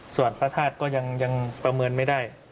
ส่วนพระธาตุก็ยังประเมินไม่ได้